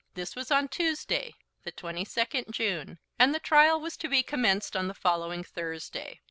This was on Tuesday, the 22nd June, and the trial was to be commenced on the following Thursday.